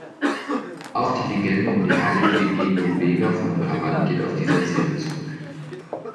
Auch die Legende um die heilige Genoveva von Brabant geht auf diese Erzählung zurück.